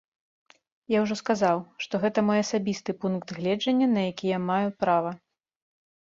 Я ўжо сказаў, што гэта мой асабісты пункт гледжання, на які я маю права.